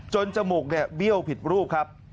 จมูกเนี่ยเบี้ยวผิดรูปครับ